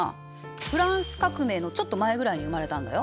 フランス革命のちょっと前ぐらいに生まれたんだよ。